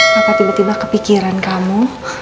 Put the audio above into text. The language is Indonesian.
kenapa tiba tiba kepikiran kamu